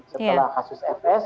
setelah kasus fs